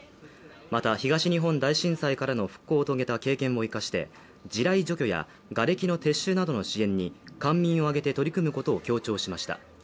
また東日本大震災からの復興を遂げた経験も生かして、地雷除去やがれきの撤収などの支援に官民を挙げて取り組むことを強調しました。